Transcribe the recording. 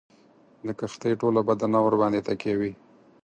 د کښتۍ ټوله بدنه ورباندي تکیه وي.